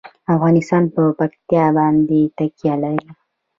افغانستان په پکتیا باندې تکیه لري.